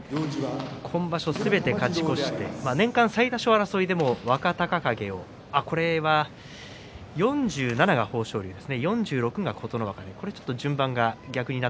今場所、すべて勝ち越して年間最多勝争いでも、若隆景と豊昇龍は、４７が豊昇龍です。